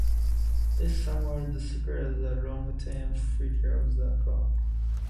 This sum would secure the long-term future of the club.